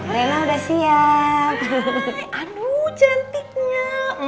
lena udah siap aduh cantiknya